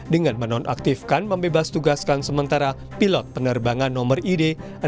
dengan menonaktifkan membebas tugaskan sementara pilot penerbangan nomor id enam ribu tujuh ratus dua puluh tiga